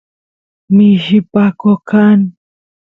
mishi paqo kan